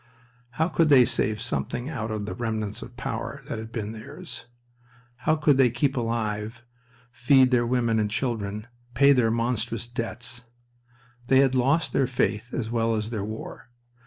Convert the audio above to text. How could they save something out of the remnants of the power that had been theirs? How could they keep alive, feed their women and children, pay their monstrous debts? They had lost their faith as well as their war.